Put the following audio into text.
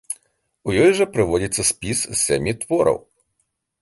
У ёй жа прыводзіцца спіс з сямі твораў.